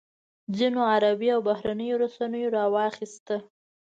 ځینو عربي او بهرنیو رسنیو راواخیسته.